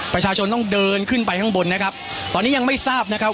ประชาชนต้องเดินขึ้นไปข้างบนนะครับตอนนี้ยังไม่ทราบนะครับ